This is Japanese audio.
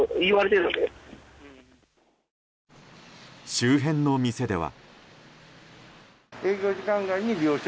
周辺の店では。